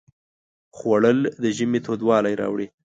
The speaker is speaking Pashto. خوړل د ژمي تودوالی راوړي